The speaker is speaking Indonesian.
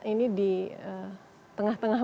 ini di tengah tengah